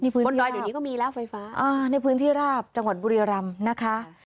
บนดอยเดี๋ยวนี้ก็มีแล้วไฟฟ้าในพื้นที่ราบจังหวัดบุรียรำนะคะ